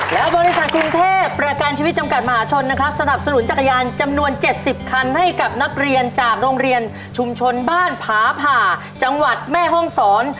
และบริษัทกรุงเทพประกันชีวิตจำกัดมหาชนนะครับสนับสนุนจักรยานจำนวน๗๐คันให้กับนักเรียนจากโรงเรียนชุมชนบ้านผาผ่าจังหวัดแม่ห้องศร